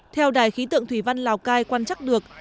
theo đài khí tượng thủy văn lào cai quan trắc được